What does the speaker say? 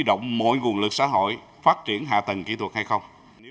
động mọi nguồn lực xã hội phát triển hạ tầng kỹ thuật hay không